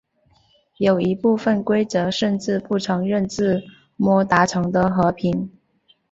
有一部分规则甚至不承认自摸达成的平和。